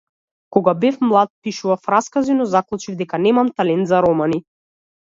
Кога бев млад пишував раскази, но заклучив дека немам талент за романи.